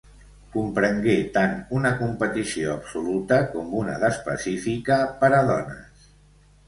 Comprengué tant una competició absoluta com una d'específica per a dones.